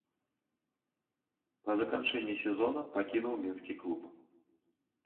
Па заканчэнні сезона пакінуў мінскі клуб.